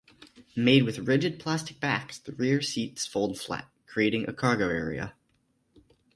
Made with rigid plastic backs, the rear seats fold flat, creating a cargo area.